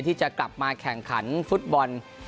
ที่จะกลับมาแข่งขันฟุตบอล